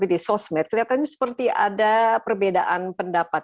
ini kaum mata anda dalam ini dikumpulkan